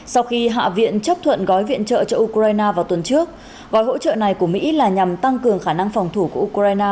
sau khi hạ viện chấp thuận gói viện trợ cho ukraine vào tuần trước gói hỗ trợ này của mỹ là nhằm tăng cường khả năng phòng thủ của ukraine